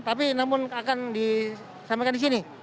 tapi namun akan disampaikan di sini